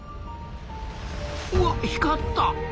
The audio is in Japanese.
うわ光った！